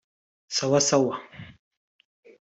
‘Sawa sawa’